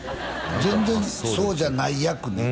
全然そうじゃない役ね